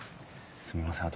すみません